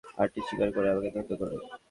Aunty স্বীকার করে আমাকে ধন্য করবেন।